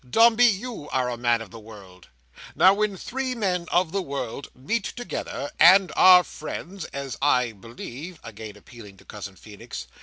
Dombey, you are a man of the world. Now, when three men of the world meet together, and are friends—as I believe—" again appealing to Cousin Feenix.